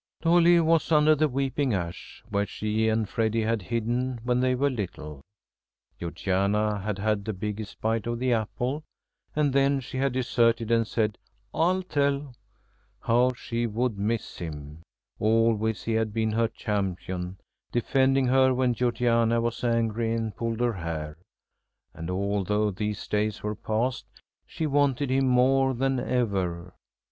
Dolly was under the weeping ash, where she and Freddy had hidden when they were little. Georgiana had had the biggest bite of the apple, and then she had deserted and said, "I'll tell!" How she would miss him! Always he had been her champion, defending her when Georgiana was angry and pulled her hair. And although these days were past she wanted him more than ever.